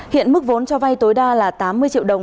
hiện mức vốn cho vay tối đa là tám mươi triệu đồng